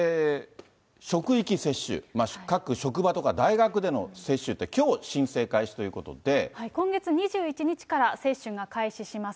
職域接種、各職場とか大学での接種って、今月２１日から接種が開始します。